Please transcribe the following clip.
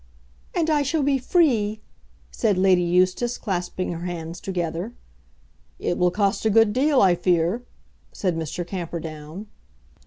"And I shall be free!" said Lady Eustace, clasping her hands together. "It will cost a good deal, I fear," said Mr. Camperdown.